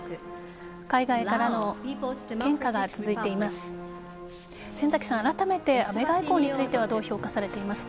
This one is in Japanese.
海外からの献花が続いています。